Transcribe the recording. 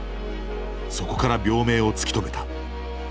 そこから病名を突き止めた。